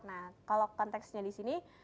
nah kalau konteksnya di sini